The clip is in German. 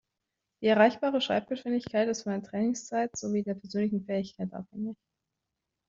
Die erreichbare Schreibgeschwindigkeit ist von der Trainingszeit sowie der persönlichen Fähigkeit abhängig.